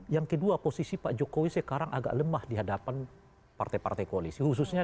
yang kedua posisi pak jokowi sekarang agak lemah di hadapan partai partai koalisi khususnya